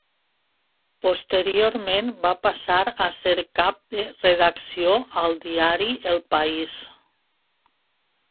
Posteriorment va passar a ser Cap de Redacció al Diari El País.